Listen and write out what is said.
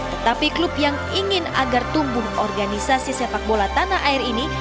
tetapi klub yang ingin agar tumbuh organisasi sepak bola tanah air ini